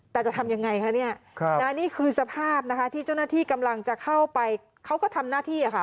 แต่จะทำยังไงคะเนี่ยนี่คือสภาพนะคะที่เจ้าหน้าที่กำลังจะเข้าไปเขาก็ทำหน้าที่ค่ะ